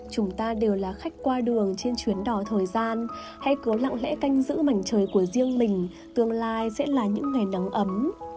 chúng ta đều là khách qua đường trên chuyến đò thời gian hay cứ lặng lẽ canh giữ mảnh trời của riêng mình tương lai sẽ là những ngày nắng ấm